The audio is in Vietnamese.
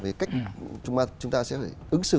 về cách chúng ta sẽ ứng xử